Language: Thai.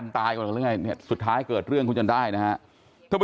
ท่านผู้ชมส่งข้อความก็มาถามเยอะแล้ว